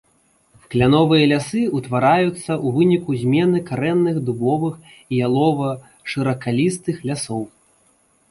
Кляновыя лясы ўтвараюцца ў выніку змены карэнных дубовых і ялова-шыракалістых лясоў.